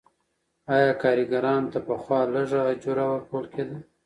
آیا کارګرانو ته پخوا لږه اجوره ورکول کیده؟